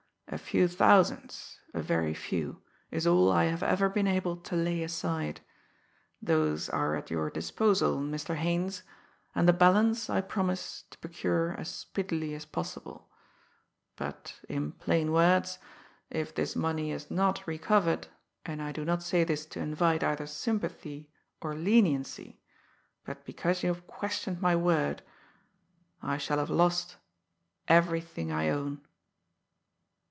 "A few thousands, a very few, is all I have ever been able to lay aside. Those are at your disposal, Mr. Haines, and the balance I promise to procure as speedily as possible; but in plain words, if this money is not recovered, and I do not say this to invite either sympathy or leniency, but because you have questioned my word, I shall have lost everything I own."